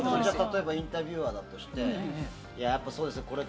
例えばインタビュアーだとしてやっぱそうですね